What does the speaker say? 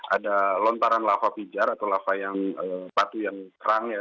ada lontaran lava pijar atau lava yang batu yang terang ya